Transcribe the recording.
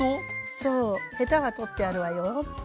そうへたは取ってあるわよ。